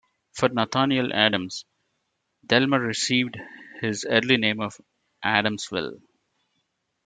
For Nathaniel Adams, Delmar received its early name of Adamsville.